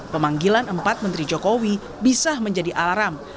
pemanggilan empat menteri jokowi bisa menjadi alarm